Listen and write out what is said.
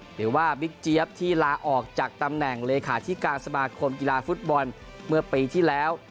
บิ๊กเจี๊ยบที่ลาออกจากตำแหน่งเลขาธิการสมาคมกีฬาฟุตบอลเมื่อปีที่แล้ว